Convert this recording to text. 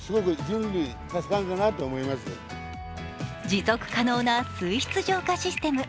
持続可能な水質浄化システム。